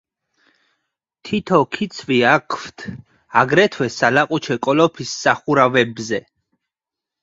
თითო ქიცვი აქვთ აგრეთვე სალაყუჩე კოლოფის სახურავებზე.